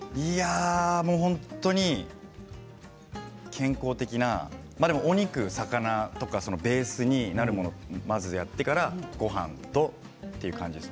本当に健康的なお肉、魚、ベースになるものをやってからごはんという感じです。